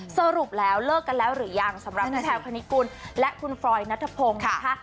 สรุปแล้วเลิกกันแล้วหรือยังสำหรับพี่แพลวคณิกุลและคุณฟรอยนัทพงศ์นะคะ